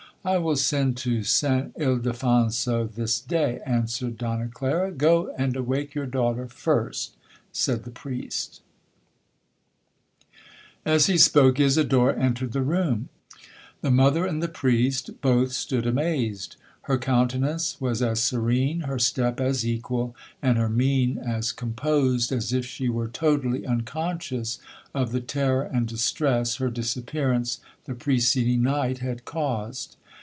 '—'I will send to St Ildefonso this day,' answered Donna Clara.—'Go and awake your daughter first,' said the priest. 1 The celebrated manufactory for glass in Spain. 'As he spoke, Isidora entered the room—the mother and the priest both stood amazed. Her countenance was as serene, her step as equal, and her mein as composed, as if she were totally unconscious of the terror and distress her disappearance the preceding night had caused.